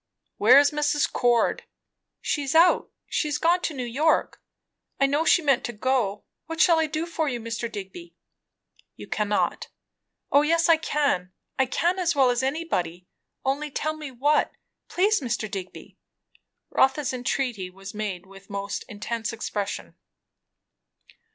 "Where is Mrs. Cord?" "She's out. She's gone to New York. I know she meant to go. What shall I do for you, Mr. Digby?" "You cannot " "O yes, I can; I can as well as anybody. Only tell me what. Please, Mr. Digby!" Rotha's entreaty was made with most intense expression.